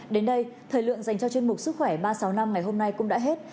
đến đây thời lượng dành cho chương mục sức khỏe ba trăm sáu mươi năm ngày hôm nay cũng đã hết